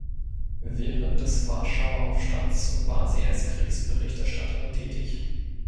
Während des Warschauer Aufstands war sie als Kriegsberichterstatterin tätig.